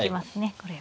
これは。